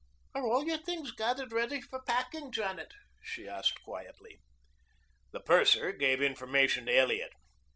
"Are all your things gathered ready for packing, Janet?" she asked quietly. The purser gave information to Elliot.